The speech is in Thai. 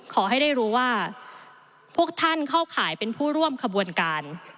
ขอให้ได้รู้ว่าพวกท่านเข้าข่ายเป็นผู้ร่วมขบวนการ